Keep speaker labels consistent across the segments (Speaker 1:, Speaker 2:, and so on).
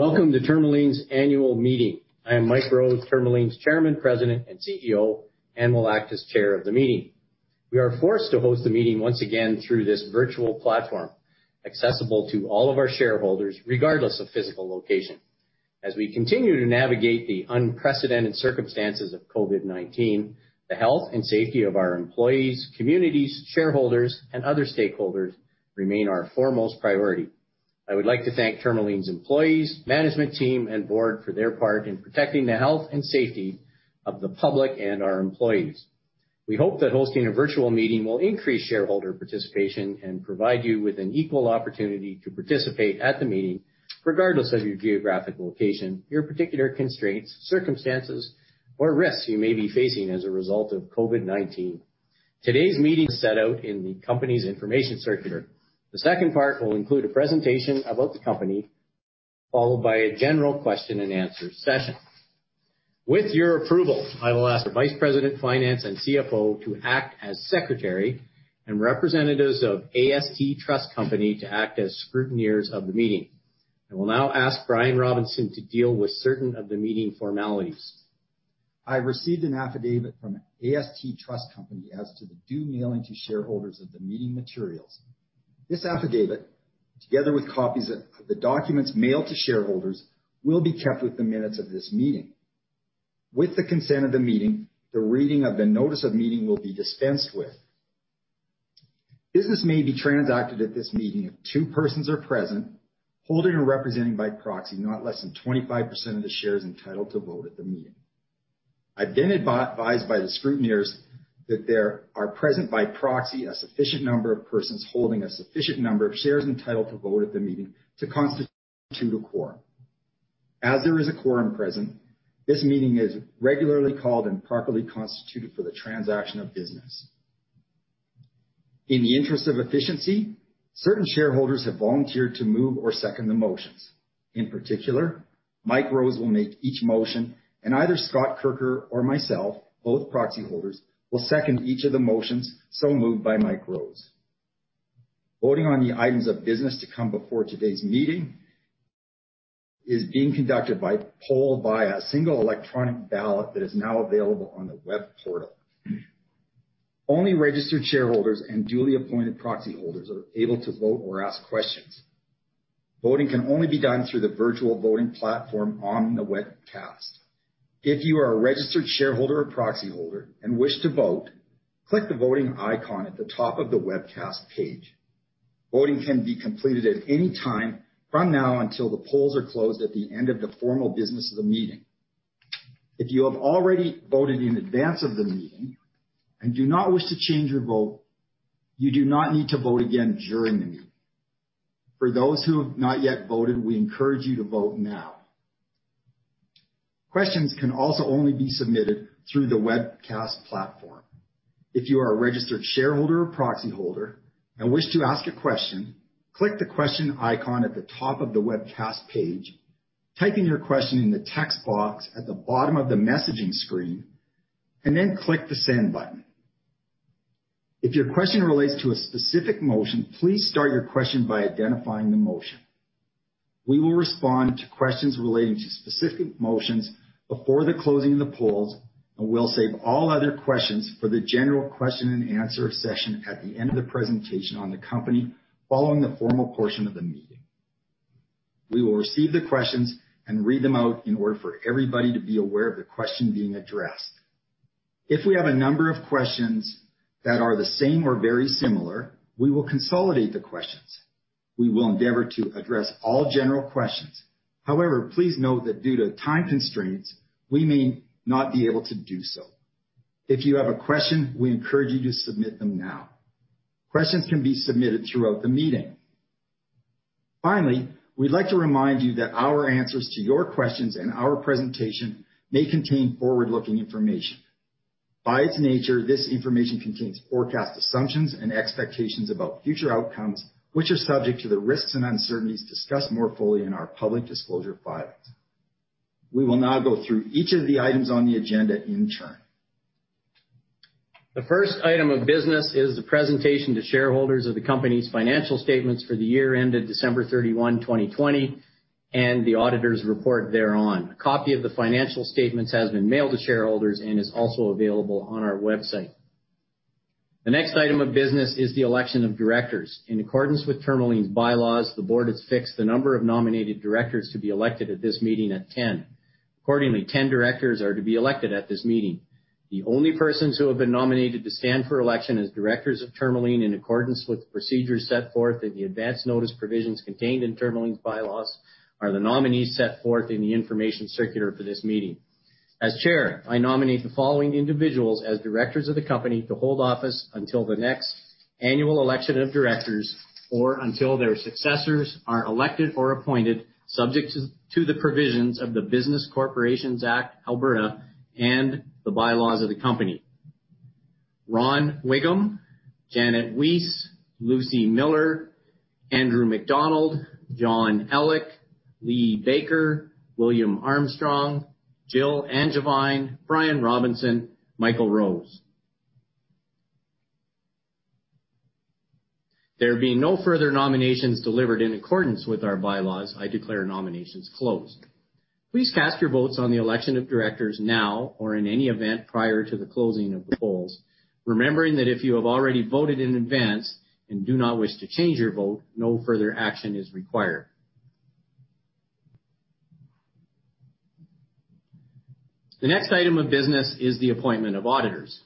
Speaker 1: Welcome to Tourmaline's annual meeting. I am Mike Rose, Tourmaline's Chairman, President, and CEO, and will act as Chair of the meeting. We are forced to host the meeting once again through this virtual platform, accessible to all of our shareholders regardless of physical location. As we continue to navigate the unprecedented circumstances of COVID-19, the health and safety of our employees, communities, shareholders, and other stakeholders remain our foremost priority. I would like to thank Tourmaline's employees, management team, and board for their part in protecting the health and safety of the public and our employees. We hope that hosting a virtual meeting will increase shareholder participation and provide you with an equal opportunity to participate at the meeting regardless of your geographic location, your particular constraints, circumstances, or risks you may be facing as a result of COVID-19. Today's meeting is set out in the company's Information Circular. The second part will include a presentation about the company, followed by a general question-and-answer session. With your approval, I will ask the Vice President, Finance, and CFO to act as Secretary, and Representatives of AST Trust Company to act as scrutineers of the meeting. I will now ask Brian Robinson to deal with certain of the meeting formalities.
Speaker 2: I received an affidavit from AST Trust Company as to the due mailing to shareholders of the meeting materials. This affidavit, together with copies of the documents mailed to shareholders, will be kept with the minutes of this meeting. With the consent of the meeting, the reading of the notice of meeting will be dispensed with. Business may be transacted at this meeting if two persons are present, holding or representing by proxy not less than 25% of the shares entitled to vote at the meeting. I've been advised by the scrutineers that there are present by proxy a sufficient number of persons holding a sufficient number of shares entitled to vote at the meeting to constitute a quorum. As there is a quorum present, this meeting is regularly called and properly constituted for the transaction of business. In the interest of efficiency, certain shareholders have volunteered to move or second the motions. In particular, Mike Rose will make each motion, and either Scott Kirker, or myself, both proxy holders, will second each of the motions so moved by Mike Rose. Voting on the items of business to come before today's meeting is being conducted by poll via a single electronic ballot that is now available on the web portal. Only registered shareholders and duly appointed proxy holders are able to vote or ask questions. Voting can only be done through the virtual voting platform on the webcast. If you are a registered shareholder or proxy holder and wish to vote, click the voting icon at the top of the webcast page. Voting can be completed at any time from now until the polls are closed at the end of the formal business of the meeting. If you have already voted in advance of the meeting and do not wish to change your vote, you do not need to vote again during the meeting. For those who have not yet voted, we encourage you to vote now. Questions can also only be submitted through the webcast platform. If you are a registered shareholder or proxy holder and wish to ask a question, click the question icon at the top of the webcast page, type in your question in the text box at the bottom of the messaging screen, and then click the send button. If your question relates to a specific motion, please start your question by identifying the motion. We will respond to questions relating to specific motions before the closing of the polls, and we'll save all other questions for the general question-and-answer session at the end of the presentation on the company following the formal portion of the meeting. We will receive the questions and read them out in order for everybody to be aware of the question being addressed. If we have a number of questions that are the same or very similar, we will consolidate the questions. We will endeavor to address all general questions. However, please note that due to time constraints, we may not be able to do so. If you have a question, we encourage you to submit them now. Questions can be submitted throughout the meeting. Finally, we'd like to remind you that our answers to your questions and our presentation may contain forward-looking information. By its nature, this information contains forecast assumptions and expectations about future outcomes, which are subject to the risks and uncertainties discussed more fully in our public disclosure filings. We will now go through each of the items on the agenda in turn.
Speaker 1: The first item of business is the presentation to shareholders of the company's financial statements for the year ended December 31, 2020, and the auditor's report thereon. A copy of the financial statements has been mailed to shareholders and is also available on our website. The next item of business is the election of directors. In accordance with Tourmaline's bylaws, the board has fixed the number of nominated directors to be elected at this meeting at 10. Accordingly, 10 directors are to be elected at this meeting. The only persons who have been nominated to stand for election as directors of Tourmaline, in accordance with the procedures set forth in the advance notice provisions contained in Tourmaline's bylaws, are the nominees set forth in the Information Circular for this meeting. As Chair, I nominate the following individuals as directors of the company to hold office until the next annual election of directors or until their successors are elected or appointed, subject to the provisions of the Business Corporations Act, Alberta, and the bylaws of the company: Ron Wigham, Janet Weiss, Lucy Miller, Andrew MacDonald, John Elick, Lee Baker, William Armstrong, Jill Angevine, Brian Robinson, Michael Rose. There being no further nominations delivered in accordance with our bylaws, I declare nominations closed. Please cast your votes on the election of directors now or in any event prior to the closing of the polls, remembering that if you have already voted in advance and do not wish to change your vote, no further action is required. The next item of business is the appointment of auditors.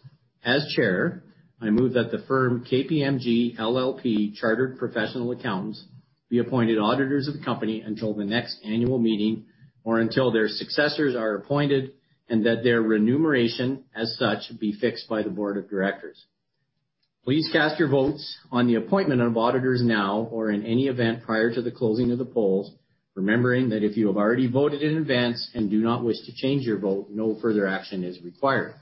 Speaker 1: As Chair, I move that the firm KPMG LLP Chartered Professional Accountants be appointed auditors of the company until the next annual meeting or until their successors are appointed, and that their remuneration as such be fixed by the board of directors. Please cast your votes on the appointment of auditors now or in any event prior to the closing of the polls, remembering that if you have already voted in advance and do not wish to change your vote, no further action is required.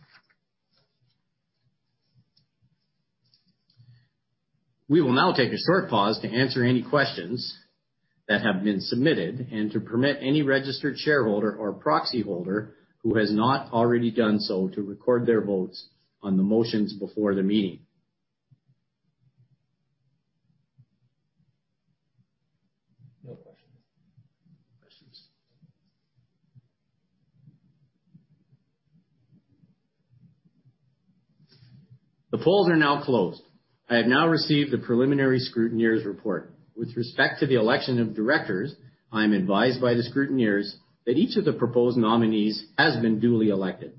Speaker 1: We will now take a short pause to answer any questions that have been submitted and to permit any registered shareholder or proxy holder who has not already done so to record their votes on the motions before the meeting. No questions. The polls are now closed. I have now received the preliminary scrutineer's report. With respect to the election of directors, I am advised by the scrutineers that each of the proposed nominees has been duly elected.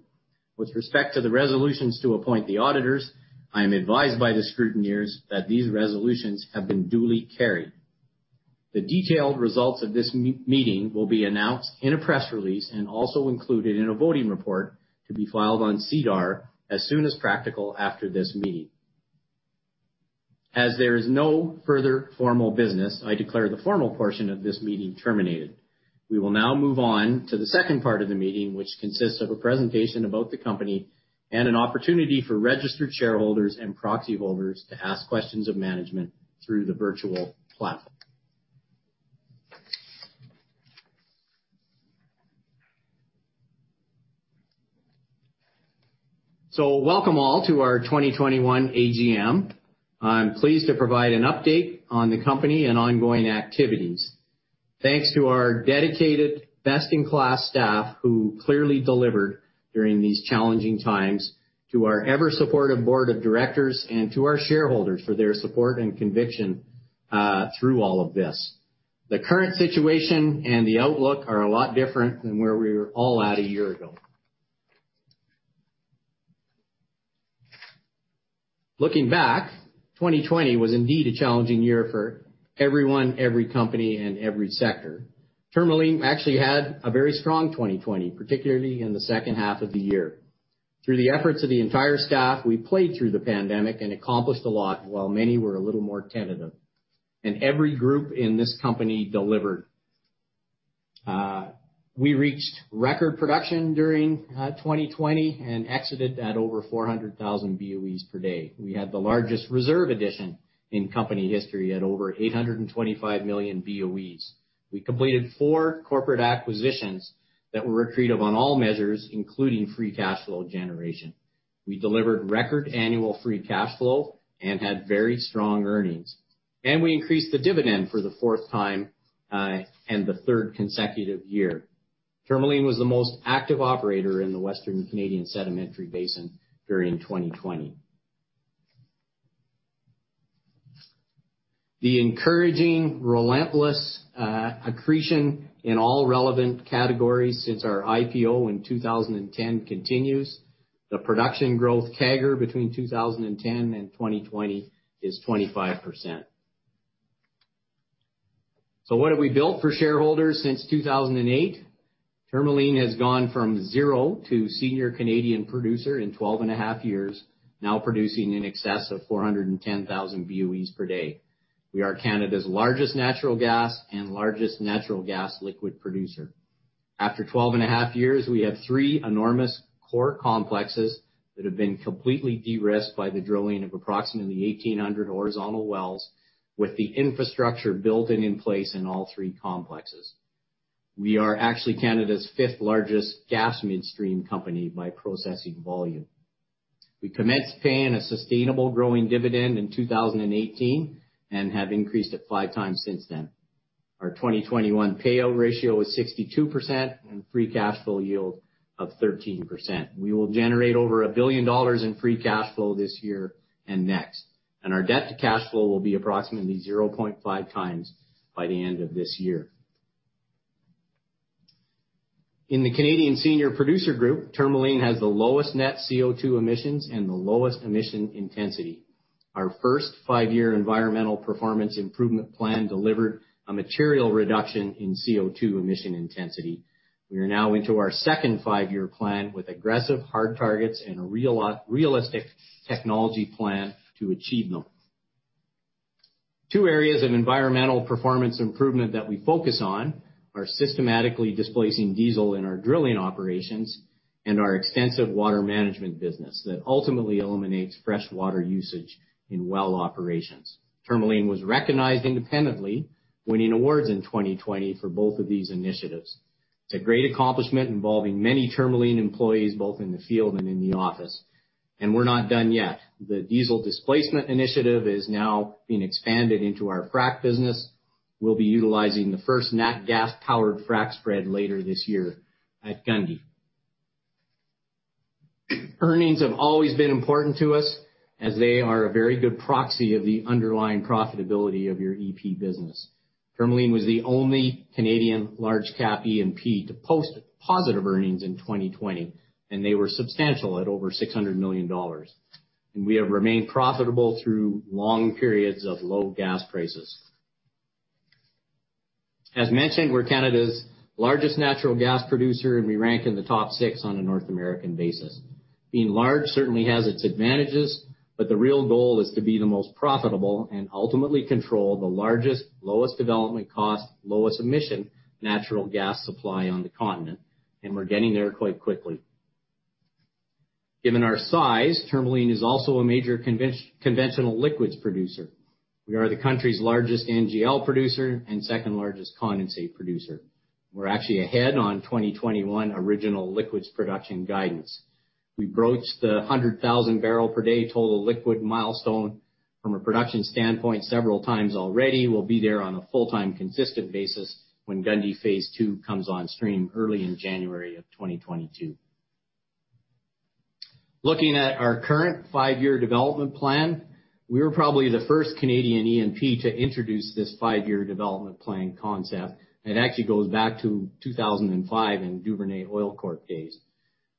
Speaker 1: With respect to the resolutions to appoint the auditors, I am advised by the scrutineers that these resolutions have been duly carried. The detailed results of this meeting will be announced in a press release and also included in a voting report to be filed on SEDAR as soon as practical after this meeting. As there is no further formal business, I declare the formal portion of this meeting terminated. We will now move on to the second part of the meeting, which consists of a presentation about the company and an opportunity for registered shareholders and proxy holders to ask questions of management through the virtual platform. So welcome all to our 2021 AGM. I'm pleased to provide an update on the company and ongoing activities. Thanks to our dedicated, best-in-class staff who clearly delivered during these challenging times, to our ever-supportive board of directors, and to our shareholders for their support and conviction through all of this. The current situation and the outlook are a lot different than where we were all at a year ago. Looking back, 2020 was indeed a challenging year for everyone, every company, and every sector. Tourmaline actually had a very strong 2020, particularly in the second half of the year. Through the efforts of the entire staff, we played through the pandemic and accomplished a lot while many were a little more tentative. And every group in this company delivered. We reached record production during 2020 and exited at over 400,000 BOEs per day. We had the largest reserve addition in company history at over 825 million BOEs. We completed four corporate acquisitions that were accretive on all measures, including free cash flow generation. We delivered record annual free cash flow and had very strong earnings. We increased the dividend for the fourth time and the third consecutive year. Tourmaline was the most active operator in the Western Canadian Sedimentary Basin during 2020. The encouraging, relentless accretion in all relevant categories since our IPO in 2010 continues. The production growth CAGR between 2010 and 2020 is 25%. What have we built for shareholders since 2008? Tourmaline has gone from zero to senior Canadian producer in 12 and a half years, now producing in excess of 410,000 BOEs per day. We are Canada's largest natural gas and largest natural gas liquid producer. After 12 and a half years, we have three enormous core complexes that have been completely de-risked by the drilling of approximately 1,800 horizontal wells, with the infrastructure built and in place in all three complexes. We are actually Canada's fifth largest gas midstream company by processing volume. We commenced paying a sustainable growing dividend in 2018 and have increased it five times since then. Our 2021 payout ratio is 62% and free cash flow yield of 13%. We will generate over 1 billion dollars in free cash flow this year and next. And our debt to cash flow will be approximately 0.5 times by the end of this year. In the Canadian senior producer group, Tourmaline has the lowest net CO2 emissions and the lowest emission intensity. Our first five-year environmental performance improvement plan delivered a material reduction in CO2 emission intensity. We are now into our second five-year plan with aggressive hard targets and a realistic technology plan to achieve them. Two areas of environmental performance improvement that we focus on are systematically displacing diesel in our drilling operations and our extensive water management business that ultimately eliminates freshwater usage in well operations. Tourmaline was recognized independently, winning awards in 2020 for both of these initiatives. It's a great accomplishment involving many Tourmaline employees both in the field and in the office, and we're not done yet. The diesel displacement initiative is now being expanded into our frac business. We'll be utilizing the first nat gas-powered frac spread later this year at Gundy. Earnings have always been important to us as they are a very good proxy of the underlying profitability of your E&P business. Tourmaline was the only Canadian large cap E&P to post positive earnings in 2020, and they were substantial at over 600 million dollars, and we have remained profitable through long periods of low gas prices. As mentioned, we're Canada's largest natural gas producer, and we rank in the top six on a North American basis. Being large certainly has its advantages, but the real goal is to be the most profitable and ultimately control the largest, lowest development cost, lowest emission natural gas supply on the continent, and we're getting there quite quickly. Given our size, Tourmaline is also a major conventional liquids producer. We are the country's largest NGL producer and second largest condensate producer. We're actually ahead on 2021 original liquids production guidance. We broached the 100,000 barrel per day total liquid milestone from a production standpoint several times already. We'll be there on a full-time consistent basis when Gundy Phase 2 comes on stream early in January of 2022. Looking at our current five-year development plan, we were probably the first Canadian E&P to introduce this five-year development plan concept. It actually goes back to 2005 in Duvernay Oil Corp days.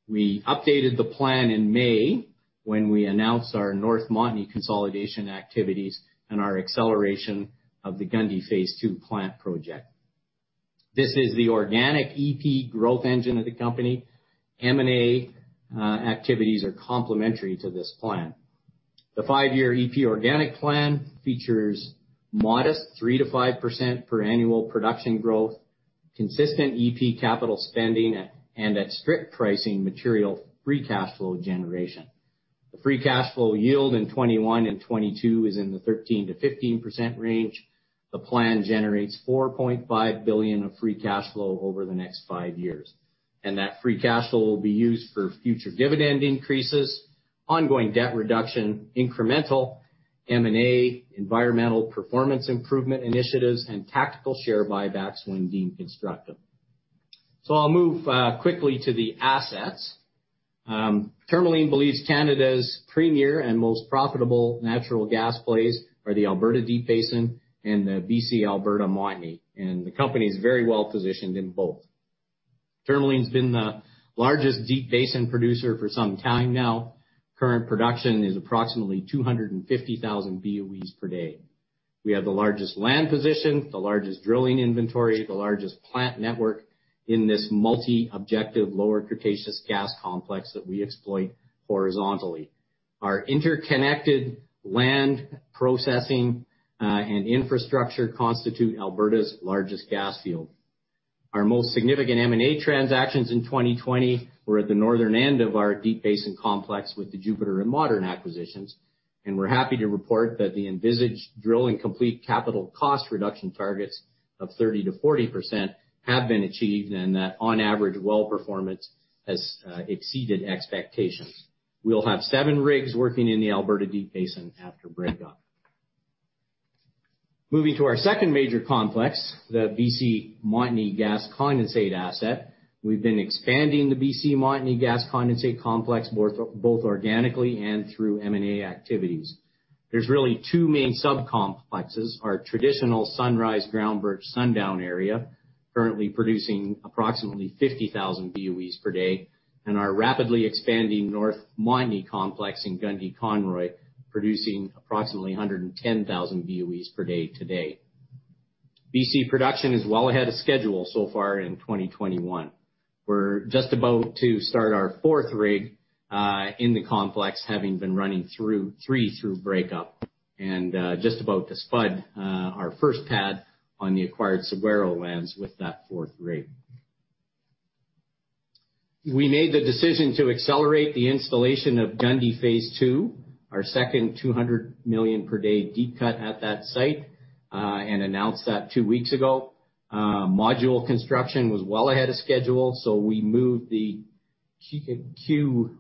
Speaker 1: We updated the plan in May when we announced our North Montney consolidation activities and our acceleration of the Gundy Phase 2 plant project. This is the organic EP growth engine of the company. M&A activities are complementary to this plan. The five-year EP organic plan features modest 3-5% per annual production growth, consistent EP capital spending, and at strip pricing material free cash flow generation. The free cash flow yield in 2021 and 2022 is in the 13-15% range. The plan generates 4.5 billion of free cash flow over the next five years. And that free cash flow will be used for future dividend increases, ongoing debt reduction, incremental M&A, environmental performance improvement initiatives, and tactical share buybacks when deemed constructive. So I'll move quickly to the assets. Tourmaline believes Canada's premier and most profitable natural gas plays are the Alberta Deep Basin and the BC Alberta Montney. And the company is very well positioned in both. Tourmaline's been the largest deep basin producer for some time now. Current production is approximately 250,000 BOEs per day. We have the largest land position, the largest drilling inventory, the largest plant network in this multi-objective lower Cretaceous gas complex that we exploit horizontally. Our interconnected land processing and infrastructure constitute Alberta's largest gas field. Our most significant M&A transactions in 2020 were at the northern end of our deep basin complex with the Jupiter and Modern acquisitions. We're happy to report that the envisaged drill and complete capital cost reduction targets of 30%-40% have been achieved and that on average well performance has exceeded expectations. We'll have seven rigs working in the Alberta Deep Basin after breakup. Moving to our second major complex, the BC Montney gas condensate asset, we've been expanding the BC Montney gas condensate complex both organically and through M&A activities. There's really two main sub-complexes: our traditional Sunrise-Groundbirch Sundown area, currently producing approximately 50,000 BOEs per day, and our rapidly expanding North Montney complex in Gundy, Conroy, producing approximately 110,000 BOEs per day today. BC production is well ahead of schedule so far in 2021. We're just about to start our fourth rig in the complex, having been running three through breakup and just about to spud our first pad on the acquired Saguaro lands with that fourth rig. We made the decision to accelerate the installation of Gundy Phase 2, our second 200 million per day deep cut at that site, and announced that two weeks ago. Module construction was well ahead of schedule, so we moved the Q1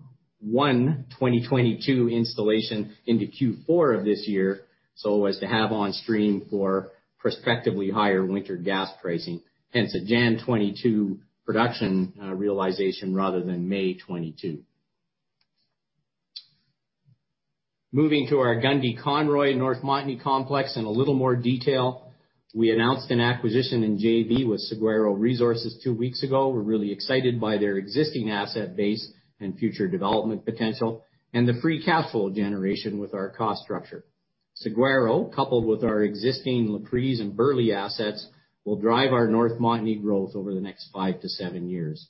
Speaker 1: 2022 installation into Q4 of this year so as to have on stream for prospectively higher winter gas pricing. Hence a January 2022 production realization rather than May 2022. Moving to our Gundy Conroy North Montney complex in a little more detail, we announced an acquisition in JV with Saguaro Resources two weeks ago. We're really excited by their existing asset base and future development potential and the free cash flow generation with our cost structure. Saguaro, coupled with our existing Laprise and Burley assets, will drive our North Montney growth over the next five to seven years.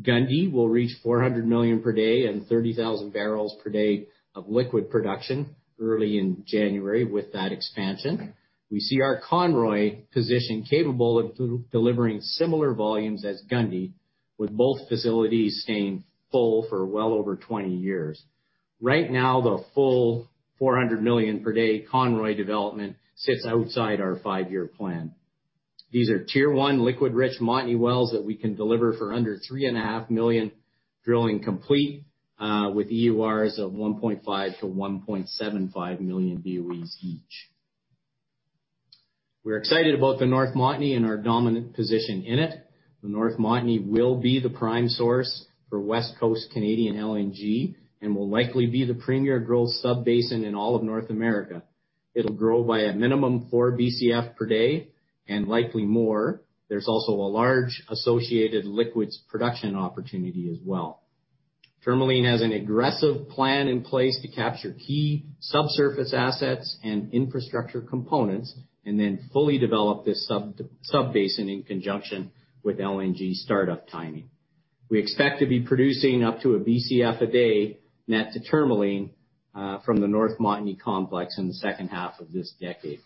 Speaker 1: Gundy will reach 400 million per day and 30,000 barrels per day of liquid production early in January with that expansion. We see our Conroy position capable of delivering similar volumes as Gundy, with both facilities staying full for well over 20 years. Right now, the full 400 million per day Conroy development sits outside our five-year plan. These are Tier 1 liquid-rich Montney wells that we can deliver for under 3.5 million drilling complete with EURs of 1.5-1.75 million BOEs each. We're excited about the North Montney and our dominant position in it. The North Montney will be the prime source for West Coast Canadian LNG and will likely be the premier growth sub-basin in all of North America. It'll grow by a minimum four BCF per day and likely more. There's also a large associated liquids production opportunity as well. Tourmaline has an aggressive plan in place to capture key subsurface assets and infrastructure components and then fully develop this sub-basin in conjunction with LNG startup timing. We expect to be producing up to a BCF a day net to Tourmaline from the North Montney complex in the second half of this decade.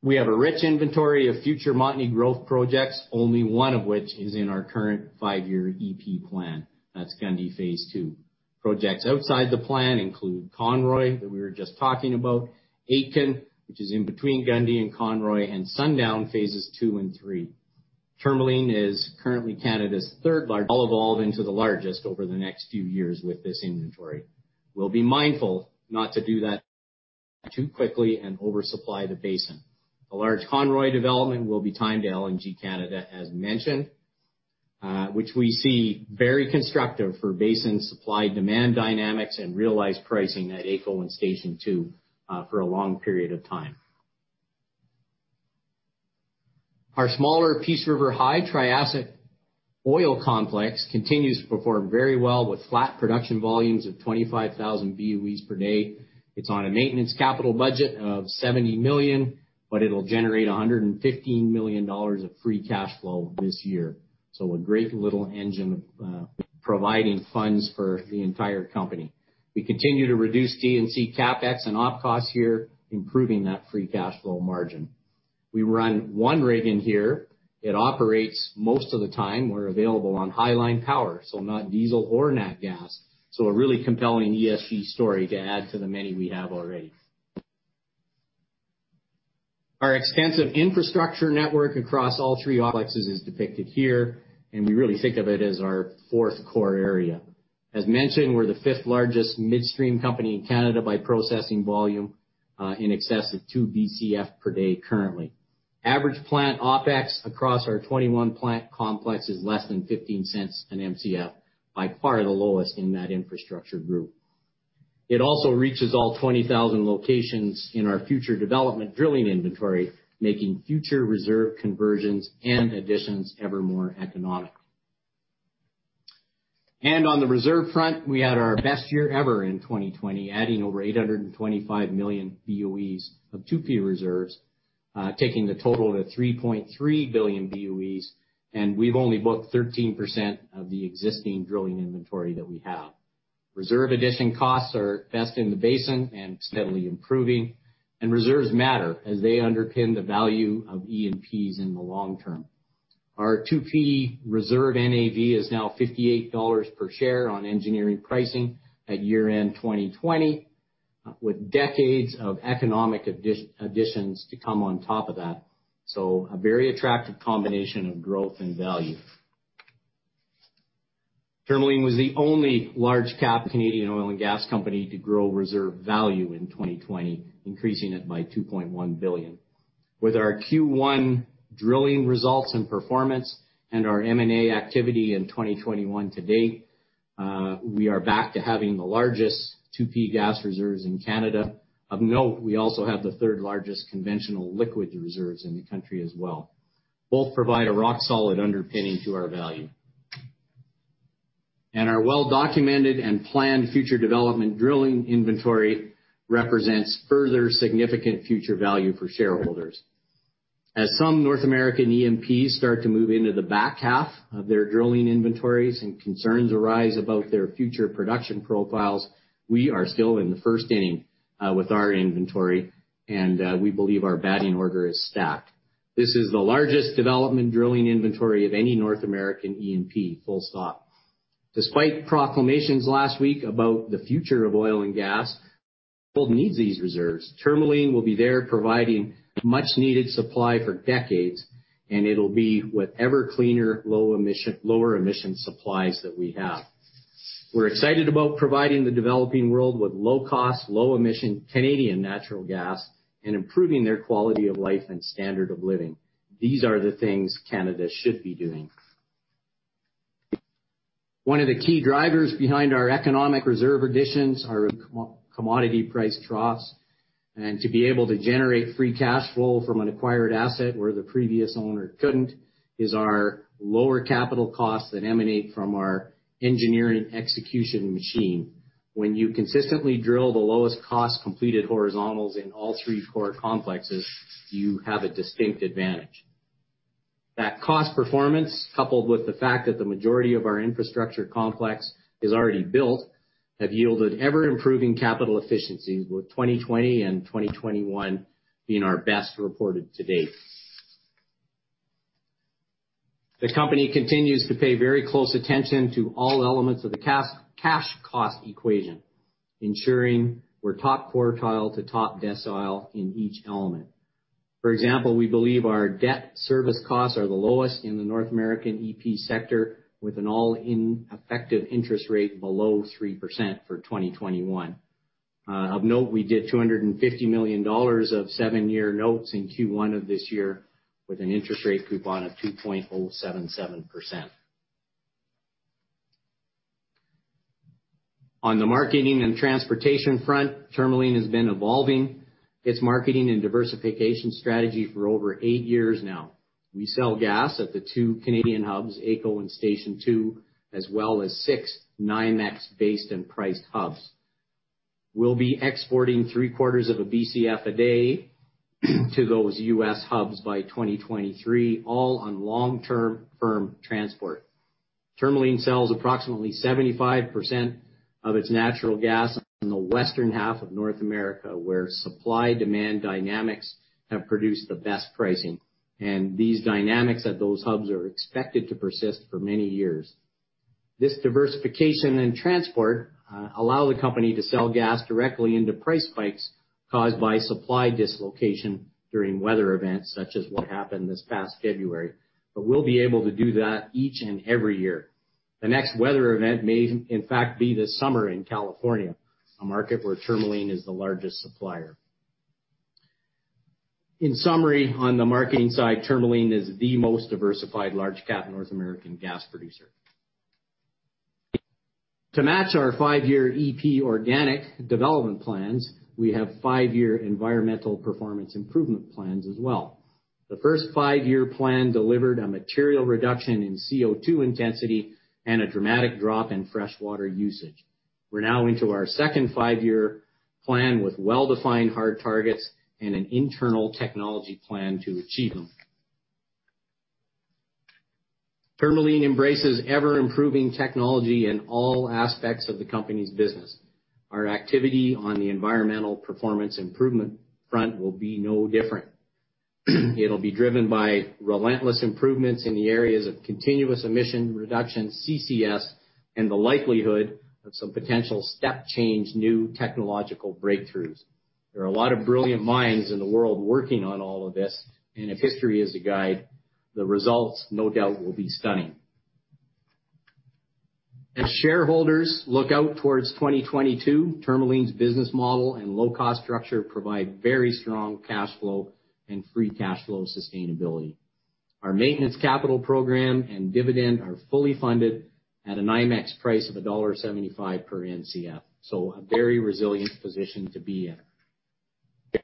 Speaker 1: We have a rich inventory of future Montney growth projects, only one of which is in our current five-year EP plan. That's Gundy Phase 2. Projects outside the plan include Conroy that we were just talking about, Aitken, which is in between Gundy and Conroy, and Sunrise phases two and three. Tourmaline is currently Canada's third largest. All evolve into the largest over the next few years with this inventory. We'll be mindful not to do that too quickly and oversupply the basin. A large Conroy development will be timed to LNG Canada, as mentioned, which we see very constructive for basin supply demand dynamics and realized pricing at AECO and Station 2 for a long period of time. Our smaller Peace River High Triassic Oil Complex continues to perform very well with flat production volumes of 25,000 BOEs per day. It's on a maintenance capital budget of 70 million, but it'll generate 115 million dollars of free cash flow this year. So a great little engine providing funds for the entire company. We continue to reduce D&C CapEx and Opex costs here, improving that free cash flow margin. We run one rig in here. It operates most of the time. We're available on highline power, so not diesel or natural gas. So a really compelling ESG story to add to the many we have already. Our extensive infrastructure network across all three complexes is depicted here, and we really think of it as our fourth core area. As mentioned, we're the fifth largest midstream company in Canada by processing volume in excess of 2 Bcf per day currently. Average plant OPEX across our 21-plant complex is less than 0.15/Mcf, by far the lowest in that infrastructure group. It also reaches all 20,000 locations in our future development drilling inventory, making future reserve conversions and additions ever more economic. And on the reserve front, we had our best year ever in 2020, adding over 825 million BOEs of 2P reserves, taking the total of 3.3 billion BOEs. And we've only booked 13% of the existing drilling inventory that we have. Reserve addition costs are best in the basin and steadily improving. And reserves matter as they underpin the value of E&Ps in the long term. Our 2P reserve NAV is now 58 dollars per share on engineering pricing at year-end 2020, with decades of economic additions to come on top of that. So a very attractive combination of growth and value. Tourmaline was the only large cap Canadian oil and gas company to grow reserve value in 2020, increasing it by 2.1 billion. With our Q1 drilling results and performance and our M&A activity in 2021 to date, we are back to having the largest 2P gas reserves in Canada. Of note, we also have the third largest conventional liquid reserves in the country as well. Both provide a rock-solid underpinning to our value. And our well-documented and planned future development drilling inventory represents further significant future value for shareholders. As some North American E&Ps start to move into the back half of their drilling inventories and concerns arise about their future production profiles, we are still in the first inning with our inventory, and we believe our batting order is stacked. This is the largest development drilling inventory of any North American E&P. Full stop. Despite proclamations last week about the future of oil and gas, the world needs these reserves. Tourmaline will be there providing much-needed supply for decades, and it'll be with ever cleaner, lower emission supplies that we have. We're excited about providing the developing world with low-cost, low-emission Canadian natural gas and improving their quality of life and standard of living. These are the things Canada should be doing. One of the key drivers behind our economic reserve additions are commodity price drops, and to be able to generate free cash flow from an acquired asset where the previous owner couldn't is our lower capital costs that emanate from our engineering execution machine. When you consistently drill the lowest cost completed horizontals in all three core complexes, you have a distinct advantage. That cost performance, coupled with the fact that the majority of our infrastructure complex is already built, have yielded ever-improving capital efficiencies, with 2020 and 2021 being our best reported to date. The company continues to pay very close attention to all elements of the cash cost equation, ensuring we're top quartile to top decile in each element. For example, we believe our debt service costs are the lowest in the North American EP sector, with an all-effective interest rate below 3% for 2021. Of note, we did 250 million dollars of seven-year notes in Q1 of this year with an interest rate coupon of 2.077%. On the marketing and transportation front, Tourmaline has been evolving its marketing and diversification strategy for over eight years now. We sell gas at the two Canadian hubs, AECO and Station 2, as well as six NYMEX-based and priced hubs. We'll be exporting three-quarters of a Bcf a day to those U.S. hubs by 2023, all on long-term firm transport. Tourmaline sells approximately 75% of its natural gas in the western half of North America, where supply-demand dynamics have produced the best pricing, and these dynamics at those hubs are expected to persist for many years. This diversification and transport allow the company to sell gas directly into price spikes caused by supply dislocation during weather events, such as what happened this past February, but we'll be able to do that each and every year. The next weather event may, in fact, be this summer in California, a market where Tourmaline is the largest supplier. In summary, on the marketing side, Tourmaline is the most diversified large-cap North American gas producer. To match our five-year E&P organic development plans, we have five-year environmental performance improvement plans as well. The first five-year plan delivered a material reduction in CO2 intensity and a dramatic drop in freshwater usage. We're now into our second five-year plan with well-defined hard targets and an internal technology plan to achieve them. Tourmaline embraces ever-improving technology in all aspects of the company's business. Our activity on the environmental performance improvement front will be no different. It'll be driven by relentless improvements in the areas of continuous emission reduction, CCS, and the likelihood of some potential step-change new technological breakthroughs. There are a lot of brilliant minds in the world working on all of this, and if history is the guide, the results, no doubt, will be stunning. As shareholders look out towards 2022, Tourmaline's business model and low-cost structure provide very strong cash flow and free cash flow sustainability. Our maintenance capital program and dividend are fully funded at a NYMEX price of $1.75 per Mcf, so a very resilient position to be in.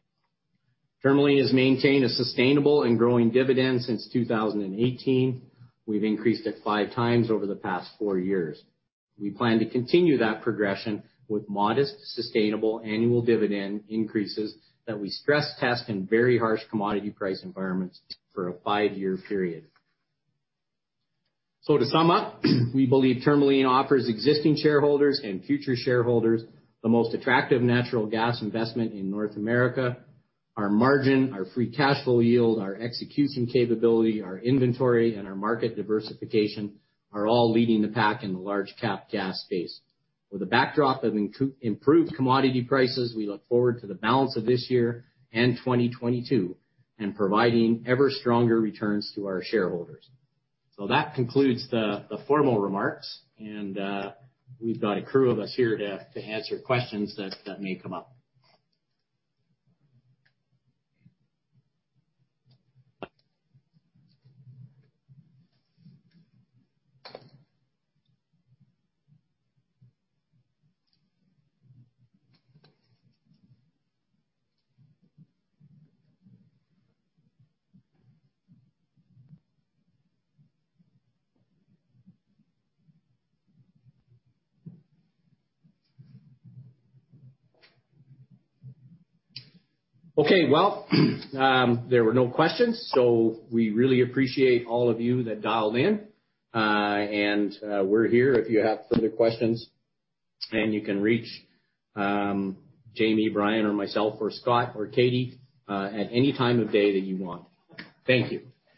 Speaker 1: Tourmaline has maintained a sustainable and growing dividend since 2018. We've increased it five times over the past four years. We plan to continue that progression with modest sustainable annual dividend increases that we stress test in very harsh commodity price environments for a five-year period. So to sum up, we believe Tourmaline offers existing shareholders and future shareholders the most attractive natural gas investment in North America. Our margin, our free cash flow yield, our execution capability, our inventory, and our market diversification are all leading the pack in the large-cap gas space. With the backdrop of improved commodity prices, we look forward to the balance of this year and 2022 and providing ever-stronger returns to our shareholders. So that concludes the formal remarks, and we've got a crew of us here to answer questions that may come up. Okay. There were no questions, so we really appreciate all of you that dialed in. We're here if you have further questions, and you can reach Jamie, Brian, or myself, or Scott, or Katie at any time of day that you want. Thank you.